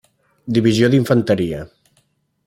Divisió d'infanteria.